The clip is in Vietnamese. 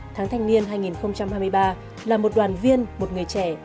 tháng thanh niên hai nghìn hai mươi ba là một đoàn viên một người trẻ